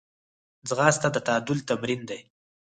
ځغاسته د تعادل تمرین دی